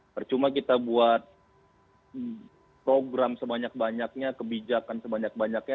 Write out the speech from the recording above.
percuma kita buat program sebanyak banyaknya kebijakan sebanyak banyaknya